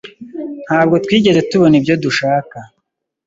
Ntabwo twigeze tubona ibyo dushaka.